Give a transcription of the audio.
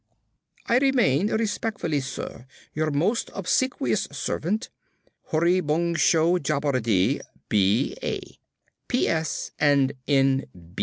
I remain, respected Sir, Your most obsequious Servant, HURRY BUNGSHO JABBERJEE, B.A. P.S. and N.